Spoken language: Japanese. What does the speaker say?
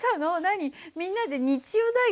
みんなで日曜大工？